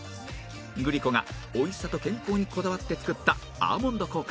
グリコが美味しさと健康にこだわって作ったアーモンド効果